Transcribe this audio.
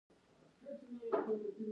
باران څنګه جوړیږي؟